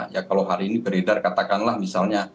ya kalau hari ini beredar katakanlah misalnya